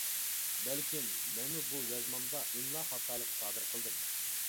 بەلكىم، مەنمۇ بۇ يازمامدا ئىملا خاتالىقى سادىر قىلدىم.